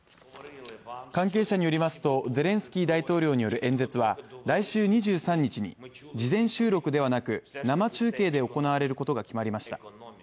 関係者によりますと、ゼレンスキー大統領による演説は来週２３日に事前収録ではなく生中継で行われることが決まりました。